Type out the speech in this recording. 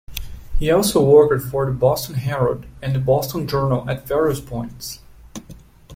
He also worked for the "Boston Herald" and the "Boston Journal" at various points.